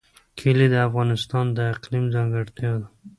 کلي د افغانستان د اقلیم ځانګړتیا ده.